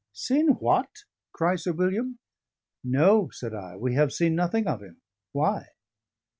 "Seen what?" cries Sir William. "No," said I, "we have seen nothing of him. Why?"